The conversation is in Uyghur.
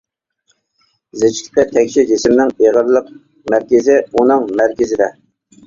زىچلىقى تەكشى جىسىمنىڭ ئېغىرلىق مەركىزى ئۇنىڭ مەركىزىدە.